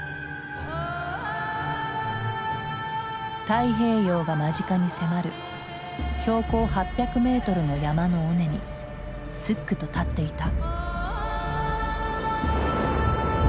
太平洋が間近に迫る標高８００メートルの山の尾根にすっくと立っていた。